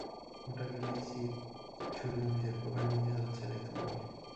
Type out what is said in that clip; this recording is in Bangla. ওটা গেলেই চিৎ-সূর্য নিজের প্রভায় নিজে জ্বলছে দেখতে পাবি।